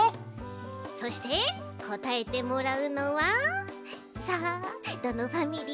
そしてこたえてもらうのはさあどのファミリーかな？